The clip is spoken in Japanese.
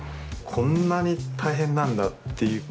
こんなに大変なんだっていう。